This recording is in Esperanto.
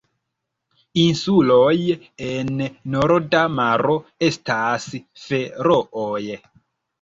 Insuloj en Norda maro estas Ferooj.